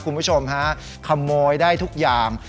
คุณผู้ชมฮะขโมยได้ทุกอย่าง